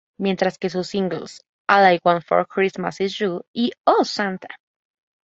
Mientras que sus singles "All I Want For Christmas Is You" y "Oh Santa!